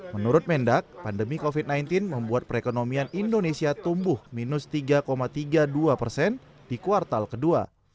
menurut mendak pandemi covid sembilan belas membuat perekonomian indonesia tumbuh minus tiga tiga puluh dua persen di kuartal kedua